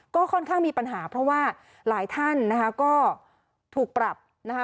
ก็ค่อนข้างมีปัญหาเพราะว่าหลายท่านนะคะก็ถูกปรับนะคะ